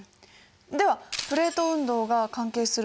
ではプレート運動が関係する